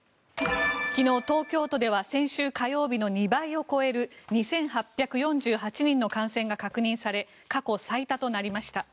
昨日、東京都では先週火曜日の２倍を超える２８４８人の感染が確認され過去最多となりました。